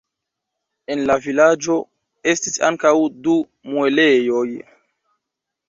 En la vilaĝo estis ankaŭ du muelejoj.